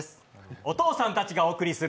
お父さんたちがお送りする。